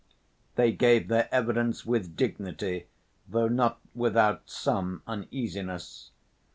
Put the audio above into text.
They gave their evidence with dignity, though not without some uneasiness.